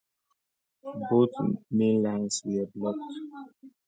Both main lines were blocked.